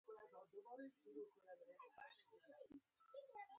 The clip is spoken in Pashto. د بغاوت په قضیو کې کورونه زندانونه وو.